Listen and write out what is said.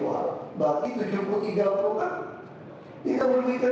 ada pertemuan saudara